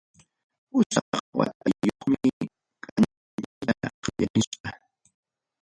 Pusaq watayuqwanmi kanchariyta qallarirqa.